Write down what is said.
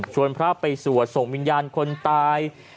พระไปสวดส่งวิญญาณคนตาย